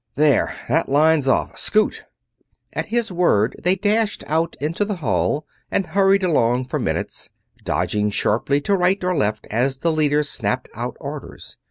There, that line's off scoot!" At his word they dashed out into the hall and hurried along for minutes, dodging sharply to right or left as the leader snapped out orders.